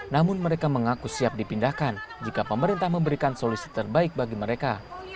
namun mereka mengaku siap dipindahkan jika pemerintah memberikan solusi terbaik bagi mereka